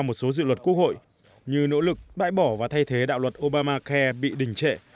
một số dự luật quốc hội như nỗ lực bãi bỏ và thay thế đạo luật obamacare bị đình trệ